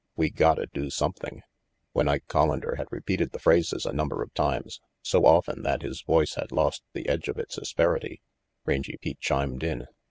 We gotta do something When Ike Collander had repeated the phrases a number of times, so often that his voice had lost the edge of its asperity, Rangy Pete chimed in.